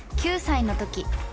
９歳の時。